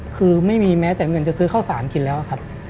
คือไม่มีแม้แต่เงินจะซื้อข้าวสารกินแล้วครับ